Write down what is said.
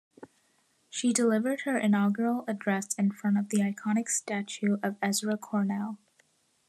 She delivered her inaugural address in front of the iconic statue of Ezra Cornell.